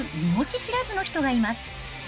知らずの人がいます。